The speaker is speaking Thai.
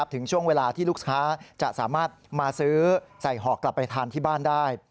ถึงช่วงเวลาที่ลูกค้าจะสามารถมาซื้อใส่หอกกลับไปทานที่บ้านได้